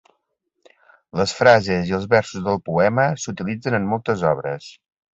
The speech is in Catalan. Les frases i els versos del poema s'utilitzen en moltes obres.